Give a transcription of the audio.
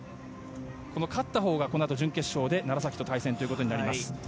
勝ったほうが、このあと準決勝で楢崎と対戦となります。